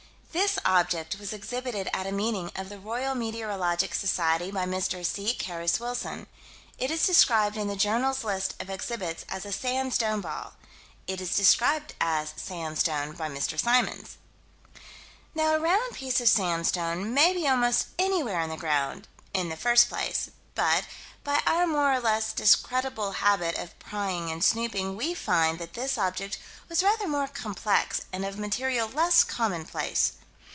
This object was exhibited at a meeting of the Royal Meteorological Society by Mr. C. Carus Wilson. It is described in the Journal's list of exhibits as a "sandstone" ball. It is described as "sandstone" by Mr. Symons. Now a round piece of sandstone may be almost anywhere in the ground in the first place but, by our more or less discreditable habit of prying and snooping, we find that this object was rather more complex and of material less commonplace.